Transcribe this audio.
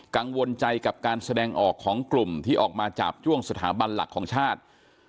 กังวลใจกับการแสดงออกของกลุ่มที่ออกมาจาบจ้วงสถาบันหลักของชาติ